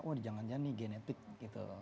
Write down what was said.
wah jangan jangan nih genetik gitu loh